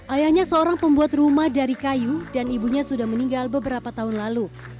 ayahnya seorang pembuat rumah dari kayu dan ibunya sudah meninggal beberapa tahun lalu